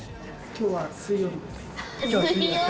今日は水曜日です。